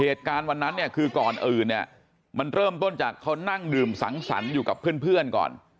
เหตุการณ์วันนั้นเนี่ยคือก่อนอื่นเนี่ยมันเริ่มต้นจากเขานั่งดื่มสังสรรค์อยู่กับเพื่อนก่อน